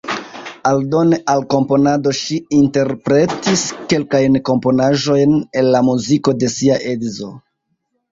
Aldone al komponado ŝi interpretis kelkajn komponaĵojn el la muziko de sia edzo.